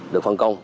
được phân công